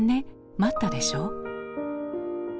待ったでしょ？」。